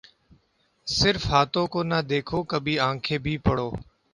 صرف ہاتھوں کو نہ دیکھو کبھی آنکھیں بھی پڑھو